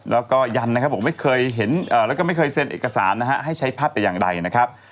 แล้วก็ยันนะครับบอกไม่เคยเห็นแล้วก็ไม่เคยเซ็นเอกสารนะฮะให้ใช้ภาพแต่อย่างใดนะครับ